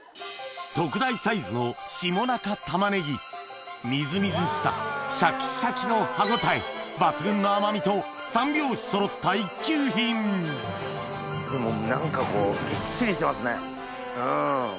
特大サイズの下中たまねぎみずみずしさシャキシャキの歯応え抜群の甘味と三拍子そろった一級品何かこうぎっしりしてますね。